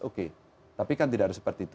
oke tapi kan tidak harus seperti itu